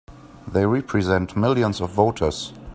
They represent millions of voters!